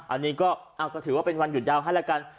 อันนี้ก็ถือว่าเป็นวันหยุดยาวให้แล้วกัน